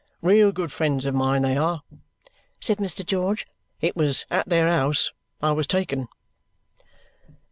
"Real good friends of mine, they are," sald Mr. George. "It was at their house I was taken."